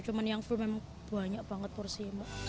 cuman yang full memang banyak banget porsi